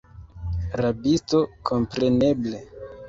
Rabisto, kompreneble!